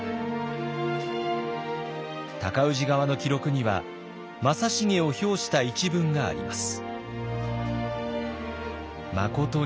尊氏側の記録には正成を評した一文があります。